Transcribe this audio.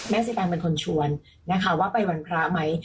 สิแตงเป็นคนชวนนะคะว่าไปวันพระไหม